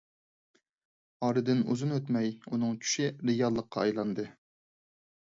ئارىدىن ئۇزۇن ئۆتمەي، ئۇنىڭ چۈشى رىياللىققا ئايلاندى.